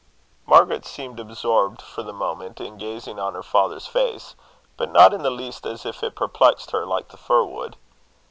Margaret seemed absorbed for the moment in gazing on her father's face; but not in the least as if it perplexed her like the fir wood.